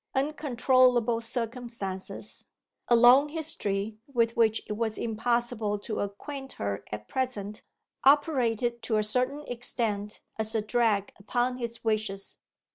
Uncontrollable circumstances (a long history, with which it was impossible to acquaint her at present) operated to a certain extent as a drag upon his wishes.